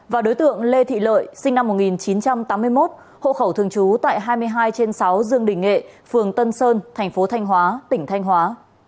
và đối tượng lê thị lợi sinh năm một nghìn chín trăm tám mươi một hộ khẩu thường trú tại hai mươi hai trên sáu dương đình nghệ phường tân sơn thành phố thanh hóa tỉnh thanh hóa